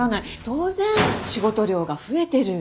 当然仕事量が増えてる。